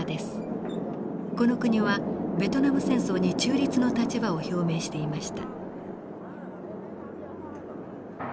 この国はベトナム戦争に中立の立場を表明していました。